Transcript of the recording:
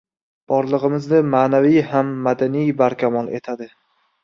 Borlig‘imizni ma’naviy ham madaniy barkamol etadi.